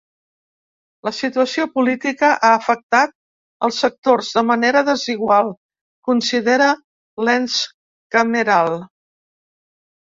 La situació política ha afectat els sectors de manera ‘desigual’, considera l’ens cameral.